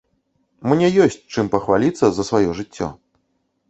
Мне ёсць чым пахваліцца за сваё жыццё.